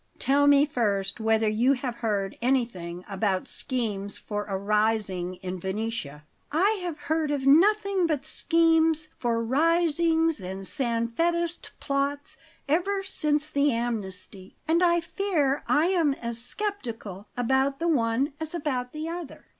"Tell me first whether you have heard anything about schemes for a rising in Venetia." "I have heard of nothing but schemes for risings and Sanfedist plots ever since the amnesty, and I fear I am as sceptical about the one as about the other."